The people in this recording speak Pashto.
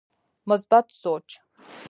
مثبت سوچ